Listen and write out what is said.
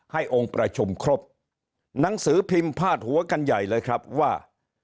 ให้องค์ประชุมครบหนังสือพิมพ์พาดหัวกันใหญ่เลยครับว่า